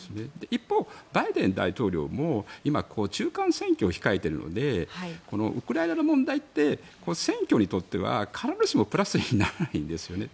一方、バイデン大統領も今、中間選挙を控えているのでウクライナの問題って選挙にとっては必ずしもプラスにはならないんですよね。